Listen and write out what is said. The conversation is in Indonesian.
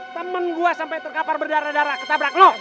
temen gue sampai terkapar berdarah darah ketabrak loh